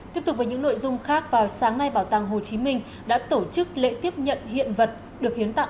tiếp tục với những nội dung khác vào sáng nay bảo tàng hồ chí minh đã tổ chức lễ tiếp nhận hiện vật được hiến tặng